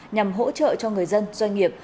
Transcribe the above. nhằm hỗ trợ cho người dân doanh nghiệp